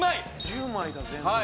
１０枚だ全部で。